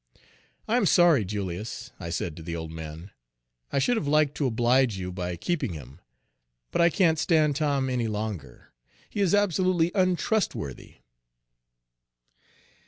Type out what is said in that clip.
"I am sorry, Julius," I said to the old man; "I should have liked to oblige you by keeping him; but I can't stand Tom any longer. He is absolutely untrustworthy."